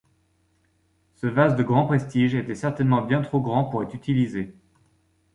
Ce vase de grand prestige était certainement bien trop grand pour être utilisé.